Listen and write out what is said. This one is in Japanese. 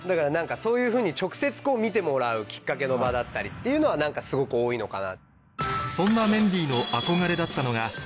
そういうふうに直接見てもらうキッカケの場だったりっていうのはすごく多いのかな。